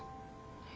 え。